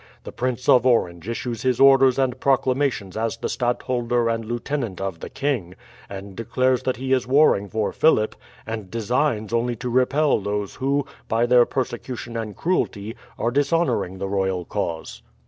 The Prince of Orange issues his orders and proclamations as the stadtholder and lieutenant of the king, and declares that he is warring for Philip, and designs only to repel those who, by their persecution and cruelty, are dishonouring the royal cause.